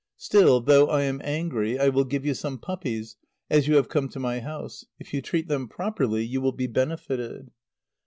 Still, though I am angry, I will give you some puppies, as you have come to my house. If you treat them properly, you will be benefited."